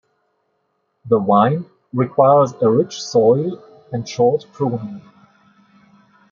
The vine requires a rich soil and short pruning.